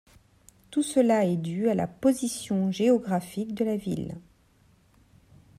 Tout cela est dû à la position géographique de la ville.